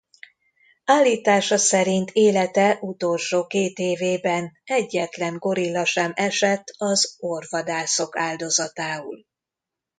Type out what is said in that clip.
Állítása szerint élete utolsó két évében egyetlen gorilla sem esett az orvvadászok áldozatául.